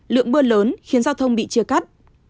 lượng mưa lớn khiến giao thông bị chia cắt